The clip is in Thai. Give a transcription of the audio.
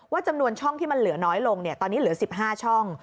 จำนวนช่องที่มันเหลือน้อยลงตอนนี้เหลือ๑๕ช่อง